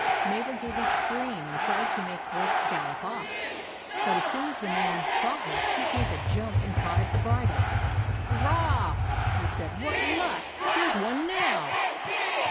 Mabel gave a scream, and tried to make Rex gallop off ; but as soon as the man saw her, he gave a jump and caught at the bridle. " Hurray !" he said. " What luck ! Here 's one now